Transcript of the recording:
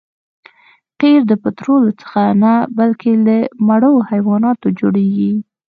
قیر د پطرولو څخه نه بلکې له مړو حیواناتو جوړیږي